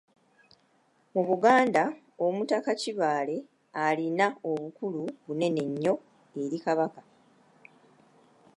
Mu Buganda Omutaka Kibaale alina obukulu bunene nnyo eri Kabaka.